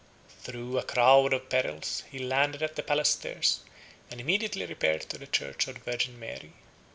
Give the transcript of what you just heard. Through a crowd of perils, he landed at the palace stairs, and immediately repaired to a church of the Virgin Mary.